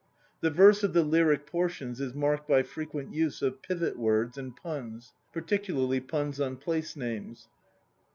The verse of the lyric portions is marked by frequent use of pivot words x and puns, particularly puns on place names.